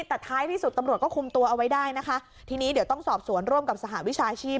แต่ท้ายที่สุดตำรวจก็คุมตัวเอาไว้ได้นะคะทีนี้เดี๋ยวต้องสอบสวนร่วมกับสหวิชาชีพ